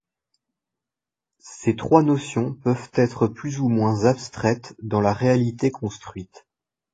Ces trois notions peuvent être plus ou moins abstraites dans la réalité construite.